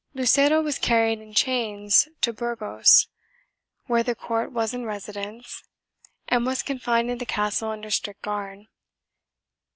Lucero was carried in chains to Burgos, where the court was in residence, and was confined in the castle under strict guard.